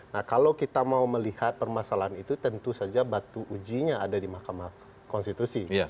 nah kalau kita mau melihat permasalahan itu tentu saja batu ujinya ada di mahkamah konstitusi